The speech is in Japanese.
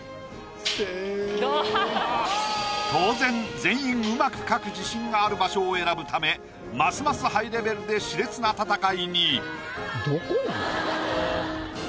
当然全員上手く描く自信がある場所を選ぶためますますハイレベルで熾烈な戦いに。